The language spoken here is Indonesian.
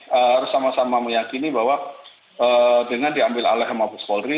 harus sama sama meyakini bahwa dengan diambil oleh mabes polri